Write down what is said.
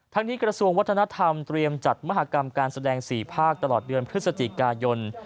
นี้กระทรวงวัฒนธรรมเตรียมจัดมหากรรมการแสดง๔ภาคตลอดเดือนพฤศจิกายน